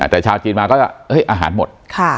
แต่ชาติจีนมาก็เฮ้ยอาหารหมด